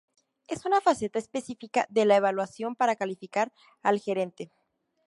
Es una faceta específica de la evaluación para calificar al gerente.